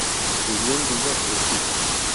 Vivió en Villa Urquiza.